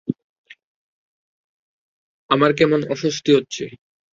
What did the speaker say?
আমার কেমন অস্বস্তি হচ্ছে!